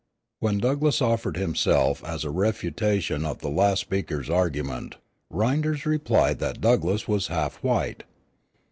When Douglass offered himself as a refutation of the last speaker's argument, Rynders replied that Douglass was half white.